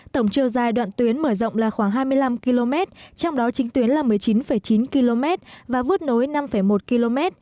tổng chiều dài đoạn tuyến mở rộng là khoảng hai mươi năm km trong đó chính tuyến là một mươi chín chín km và vứt nối năm một km